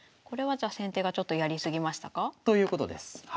これはじゃ先手がちょっとやり過ぎましたか？ということです。